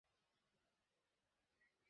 আরে এ্টা টাকার গাছ।